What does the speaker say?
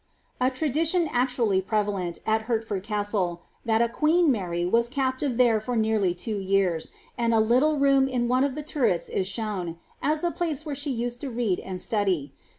tradition is actually prevalent, at Hertford Castle, that a queen Mary captive there for nearly two years, and a little room in one of the Hs is shown, as the place where she used to read and study.